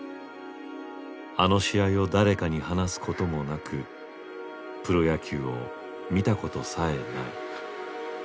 あの試合を誰かに話すこともなくプロ野球を見たことさえない。